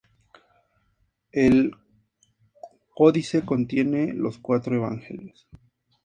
El codice contiene los cuatro Evangelios.